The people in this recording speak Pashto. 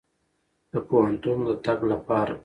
د پوهنتون د تګ لپاره.